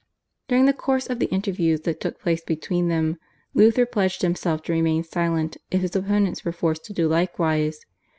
During the course of the interviews that took place between them, Luther pledged himself to remain silent if his opponents were forced to do likewise.